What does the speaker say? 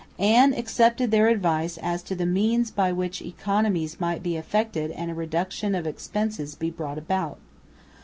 Anne accepted their advice as to the means by which economies might be effected and a reduction of expenses be brought about.